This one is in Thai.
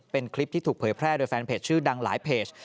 เป็นคลิปที่ถูกเผยแพร่โดยแฟนเพจชื่อดังหลายเพจ